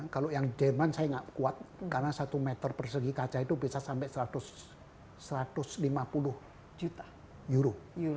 kalau yang jerman saya tidak kuat karena satu meter persegi kaca itu bisa sampai satu ratus lima puluh juta euro